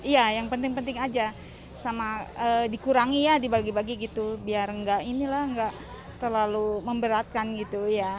ya yang penting penting aja sama dikurangi ya dibagi bagi gitu biar nggak inilah nggak terlalu memberatkan gitu ya